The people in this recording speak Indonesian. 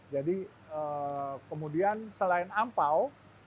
jadi kemudian selain angpao